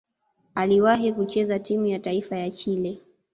Aliwahi kucheza timu ya taifa ya Chile.